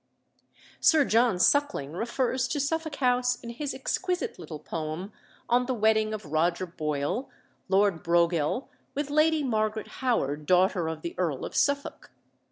Sir John Suckling refers to Suffolk House in his exquisite little poem on the wedding of Roger Boyle, Lord Broghill, with Lady Margaret Howard, daughter of the Earl of Suffolk.